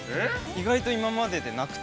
意外と今まででなくて。